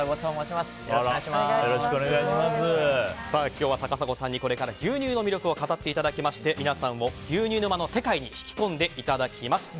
今日は高砂さんに牛乳の魅力を語っていただいて皆さんを牛乳沼の世界に引き込んでいただきます。